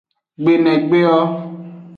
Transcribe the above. Gbenegbeo.